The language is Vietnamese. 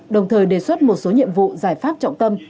đồng thời đề xuất một số nhiệm vụ giải pháp trọng tâm